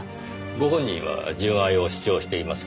ご本人は純愛を主張していますがね。